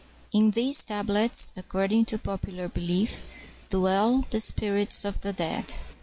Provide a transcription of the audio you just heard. In these tablets, according to popular belief, dwell the spirits of the dead.